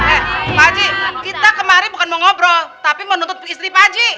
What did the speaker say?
eh pak haji kita kemari bukan mau ngobrol tapi mau nuntut istri pak haji